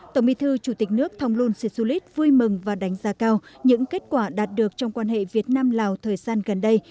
tổng bí thư chủ tịch nước thong lun si sulit vui mừng và đánh giá cao những kết quả đạt được trong quan hệ việt nam lào thời gian gần đây